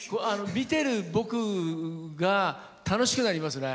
見てる僕が楽しくなりますね。